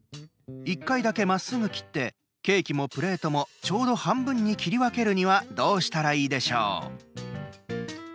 １回だけまっすぐ切ってケーキもプレートもちょうど半分に切り分けるにはどうしたらいいでしょう？